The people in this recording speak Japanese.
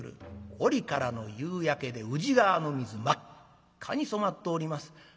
折からの夕焼けで宇治川の水真っ赤に染まっております。